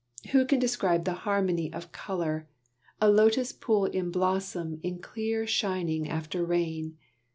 Who can describe that harmony of colour, a Lotus pool in blossom in clear shining after rain!